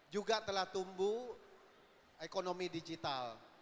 juga telah tumbuh ekonomi digital